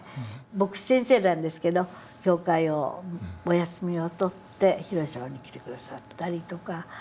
牧師先生なんですけど教会をお休みを取って広島に来て下さったりとか。